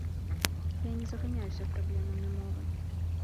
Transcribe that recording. Я не заганяюся праблемамі мовы.